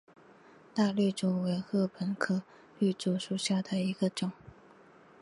大绿竹为禾本科绿竹属下的一个种。